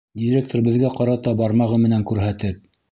— Директор беҙгә ҡарата бармағы менән күрһәтеп.